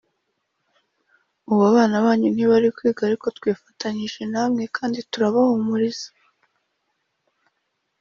ubu abana banyu ntibari kwiga ariko twifatanije namwe kandi turabahumuriza”